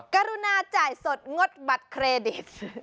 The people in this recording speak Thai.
กรุณาจ่ายสดงดบัตรเครดิต